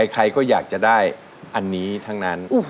ใครก็อยากจะได้อันนี้ทั้งนั้น